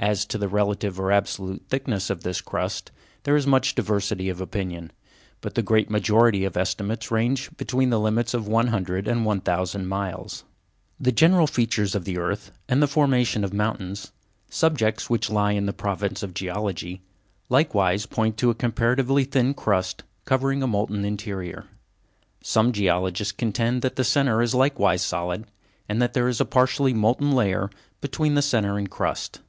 As to the relative or absolute thickness of this crust, there is much diversity of opinion, but the great majority of estimates ranges between the limits of one hundred and one thousand miles. The general features of the earth and the formation of mountains—subjects which lie in the province of geology—likewise point to a comparatively thin crust covering a molten interior. Some geologists contend that the centre is likewise solid, and that there is a partially molten layer between the centre and crust.